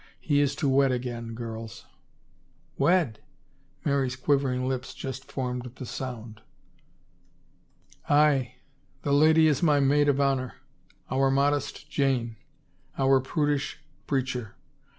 He is to wed again, girls." "Wed?" Mary's quivering lips just formed the sound. " Aye. The lady is my maid of honor. Our modest Jane; our prudish preacher.